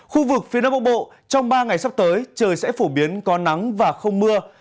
khu vực phía đông bắc bộ trong ba ngày sắp tới trời sẽ phổ biến có nắng và không mưa